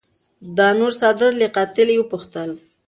دانور سادات له قاتل یې وپوښتل